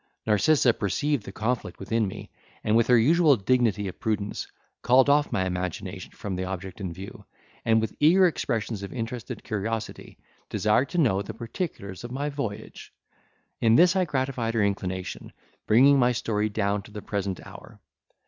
Narcissa perceived the conflict within me, and with her usual dignity of prudence, called off my imagination from the object in view, and with eager expressions of interested curiosity, desired to know the particulars of my voyage. In this I gratified her inclination, bringing my story down to the present hour.